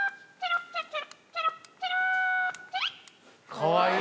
かわいい。